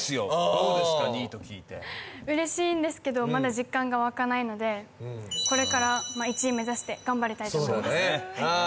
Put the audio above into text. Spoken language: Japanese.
どうですか２位と聞いて嬉しいんですけどまだ実感が湧かないのでこれから１位目指して頑張りたいと思います